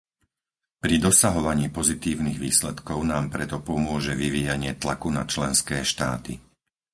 Pri dosahovaní pozitívnych výsledkov nám preto pomôže vyvíjanie tlaku na členské štáty.